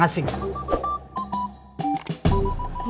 ya udah aku mau pulang